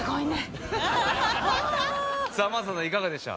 さあ真麻さんいかがでした？